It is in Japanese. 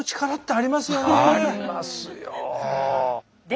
ありますよ。